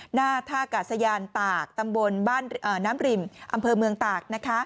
หน้าท่ากาศยานตากตำบลบ้านน้ำริมอำเภอเมืองตาก